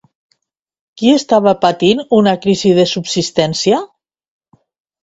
Qui estava patint una crisi de subsistència?